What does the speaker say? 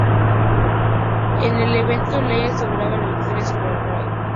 En el evento, Layla aseguraría la victoria sobre Rae.